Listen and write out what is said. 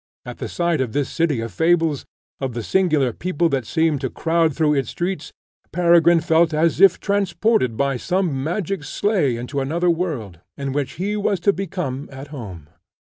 At the sight of this city of fables, of the singular people that seemed to crowd through its streets, Peregrine felt as if transported by some magic sleight into another world, in which he was to become at home.